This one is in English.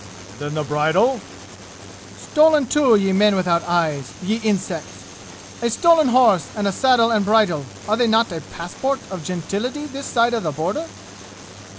"Then the bridle?" "Stolen too, ye men without eyes! Ye insects! A stolen horse and saddle and bridle, are they not a passport of gentility this side of the border?"